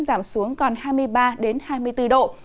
giảm xuống còn hai mươi ba hai mươi bốn độ